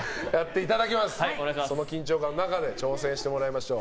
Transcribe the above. その緊張感の中で挑戦してもらいましょう。